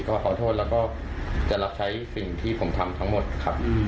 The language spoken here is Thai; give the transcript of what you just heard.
ก็ขอโทษแล้วก็จะรับใช้สิ่งที่ผมทำทั้งหมดครับ